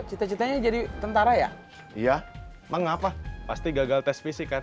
cita citanya jadi tentara ya iya mengapa pasti gagal tes fisik kan